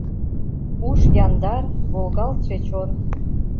Уш яндар, волгалтше чон.